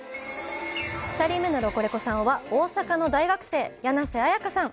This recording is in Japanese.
２人目のロコレコさんは、大阪の大学生柳瀬綾香さん。